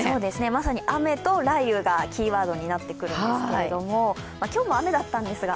まさに雨と雷雨がキーワードになってくるんですけれども今日も雨だったんですが、